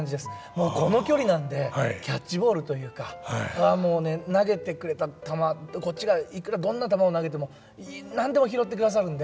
もうこの距離なんでキャッチボールというかもうね投げてくれた球こっちがいくらどんな球を投げても何でも拾ってくださるんで。